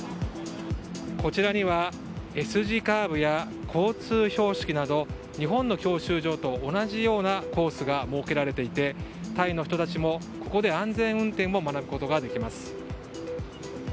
こちらにはＳ字カーブや交通標識など日本の教習所と同じようなコースが設けられていてタイの人たちも、ここで安全運転を学ぶことができます。